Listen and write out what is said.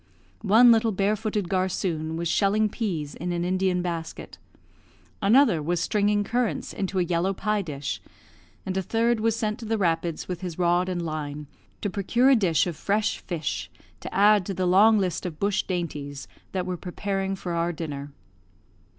One little barefooted garsoon was shelling peas in an Indian basket, another was stringing currants into a yellow pie dish, and a third was sent to the rapids with his rod and line, to procure a dish of fresh fish to add to the long list of bush dainties that were preparing for our dinner.